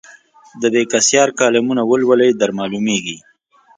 د بېکسیار کالمونه ولولئ درمعلومېږي.